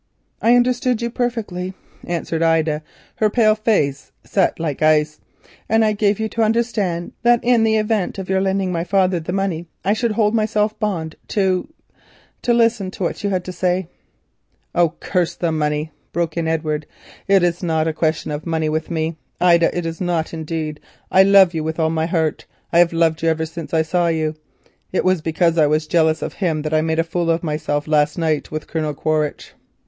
"I understood you perfectly," answered Ida, her pale face set like ice, "and I gave you to understand that in the event of your lending my father the money, I should hold myself bound to—to listen to what you had to say." "Oh, never mind the money," broke in Edward. "It is not a question of money with me, Ida, it is not, indeed. I love you with all my heart. I have loved you ever since I saw you. It was because I was jealous of him that I made a fool of myself last night with Colonel Quaritch.